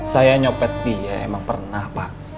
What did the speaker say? saya nyopet dia emang pernah pak